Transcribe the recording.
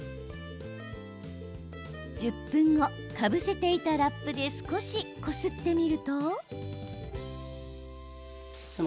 １０分後、かぶせていたラップで少しこすってみると。